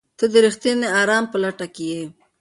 ته د رښتیني ارام په لټه کې یې؟